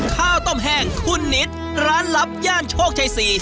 ข้าวต้มแห้งคุณนิดร้านลับย่านโชคชัย๔